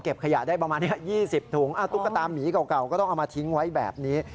ขยะได้ประมาณนี้๒๐ถุงตุ๊กตามีเก่าก็ต้องเอามาทิ้งไว้แบบนี้